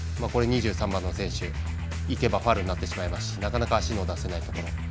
２３番の選手、いけばファウルになってしまいますしなかなか足の出せないところ。